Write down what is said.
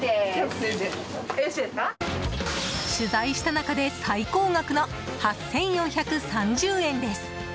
取材した中で最高額の８４３０円です。